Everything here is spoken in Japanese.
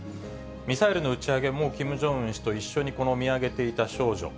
ミサイルの打ち上げもキム・ジョンウン氏と一緒に、この見上げていた少女。